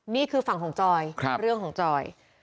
นี่คือฝั่งของจอยเรื่องของจอย